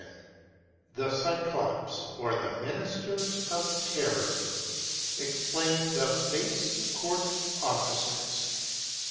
—THE CYCLOPS, OR THE MINISTERS OF TERROR. EXPLAINED OF BASE COURT OFFICERS.